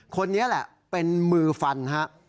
คนนี้แหละเป็นมือฟันฮะ